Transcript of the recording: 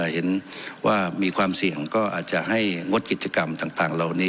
เห็นว่ามีความเสี่ยงก็อาจจะให้งดกิจกรรมต่างเหล่านี้